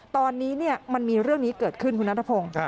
ตอนนี้เนี่ยมันมีเรื่องนี้เกิดขึ้นคุณหน้าทะพง